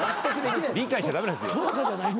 理解しちゃ駄目なんすよ。